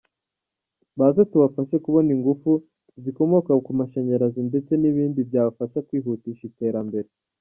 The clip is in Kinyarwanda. Baze tubafashe kubona ingufu zikomoka ku mashanyarazi ndetse n’ibindi byabafasha kwihutisha iterambere.